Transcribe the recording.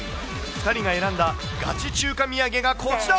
２人が選んだガチ中華土産がこちら。